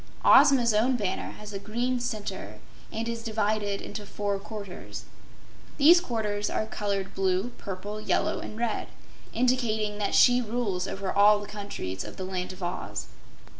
Ozma's own banner has a green center, and is divided into four quarters. These quarters are colored blue, purple, yellow and red, indicating that she rules over all the countries of the Land of Oz.